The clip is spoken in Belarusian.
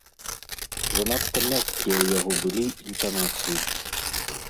Занадта мяккія ў яго былі інтанацыі.